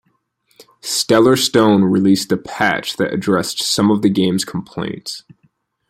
Stellar Stone released a patch that addressed some of the game's complaints.